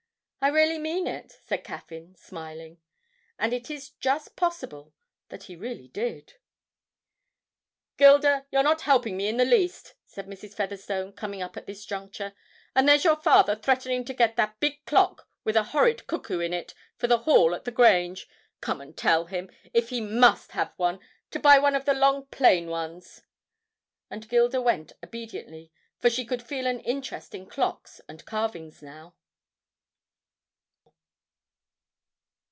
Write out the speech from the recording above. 'I really mean it,' said Caffyn smiling; and it is just possible that he really did. 'Gilda, you're not helping me in the least!' said Mrs. Featherstone, coming up at this juncture; 'and there's your father threatening to get that big clock with a horrid cuckoo in it for the hall at the Grange. Come and tell him, if he must have one, to buy one of the long plain ones.' And Gilda went obediently, for she could feel an interest in clocks and carvings now.